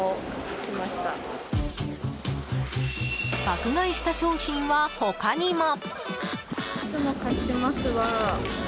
爆買いした商品は他にも。